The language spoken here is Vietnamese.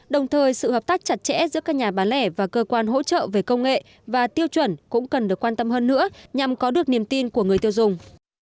đồng thời sự hợp tác chặt chẽ giữa các nhà bán lẻ và cơ quan hỗ trợ về công nghệ và tiêu chuẩn cũng cần được quan tâm hơn nữa nhằm có được niềm tin của người tiêu dùng